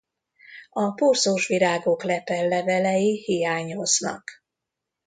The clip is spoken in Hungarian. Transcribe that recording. A porzós virágok lepellevelei hiányoznak.